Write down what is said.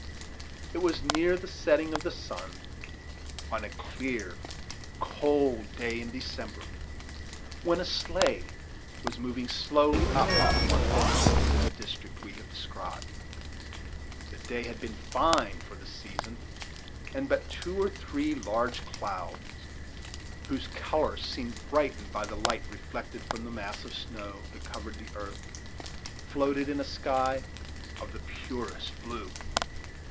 It was near the setting of the sun, on a clear, cold day in December, when a sleigh was moving slowly up one of the mountains in the district we have described. The day had been fine for the season, and but two or three large clouds, whose color seemed brightened by the light reflected from the mass of snow that covered the earth, floated in a sky of the purest blue.